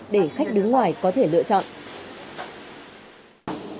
để khách đứng ngoài có thể lựa chọn